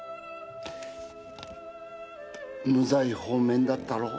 無罪放免だったろ？